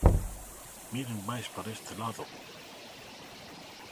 ¡Miren máis para este lado!